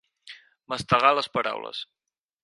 Mastegar les paraules.